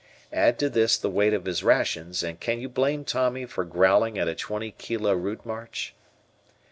Add to this the weight of his rations, and can you blame Tommy for growling at a twenty kilo route march?